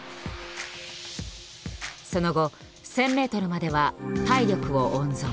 その後１，０００ｍまでは体力を温存。